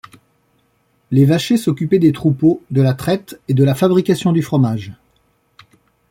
Les vachers s'occupaient des troupeaux, de la traite et de la fabrication du fromage.